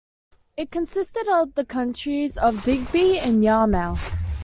It consisted of the counties of Digby and Yarmouth.